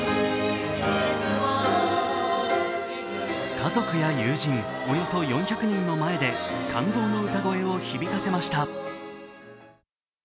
家族や友人、およそ４００人の前で感動の歌声を響かせました。